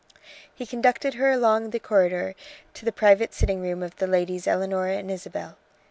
He conducted her along the corridor to the private sitting room of the ladies Eleanor and Isabel.